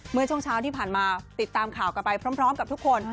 เมื่อช่วงเช้าที่ผ่านมาติดตามข่าวกันไปพร้อมกับทุกคน